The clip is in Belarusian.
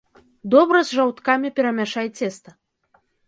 Добра з жаўткамі перамяшай цеста!